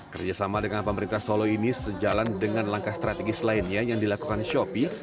kerjasama dengan pemerintah solo ini sejalan dengan langkah strategis lainnya yang dilakukan shopee